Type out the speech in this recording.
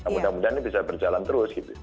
mudah mudahan ini bisa berjalan terus gitu